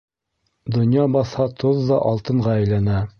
Донъя баҫһа, тоҙ ҙа алтынға әйләнә.